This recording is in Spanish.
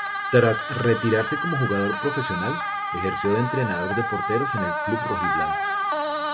Tras retirarse como jugador profesional, ejerció de entrenador de porteros en el club rojiblanco.